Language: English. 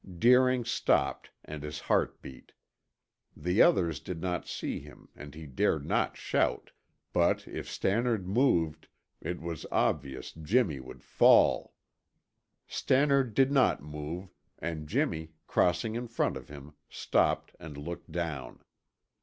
Deering stopped and his heart beat. The others did not see him and he dared not shout, but if Stannard moved, it was obvious Jimmy would fall. Stannard did not move, and Jimmy, crossing in front of him, stopped and looked down.